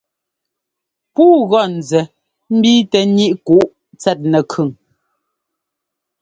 Puu gɔ́ nzɛ mbiitɛ ŋíʼ kǔ tsɛt nɛkʉn.